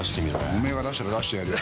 お前が出したら出してやるよ。